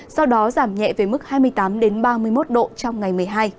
sau đó giảm nhẹ về mức hai mươi tám ba mươi một độ trong ngày một mươi hai